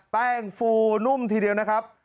แป้งฟูนุ่มทีเดียวนะครับ